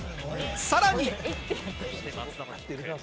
さらに。